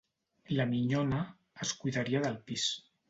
La minyona, es cuidaria del pis